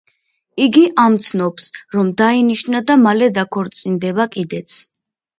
იგი ამცნობს, რომ დაინიშნა და მალე დაქორწინდება კიდეც.